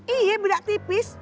iya bedak tipis